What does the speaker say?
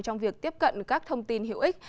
trong việc tiếp cận các thông tin hiệu ích